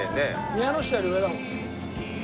宮ノ下より上だもん。